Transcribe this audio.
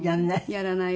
やらない？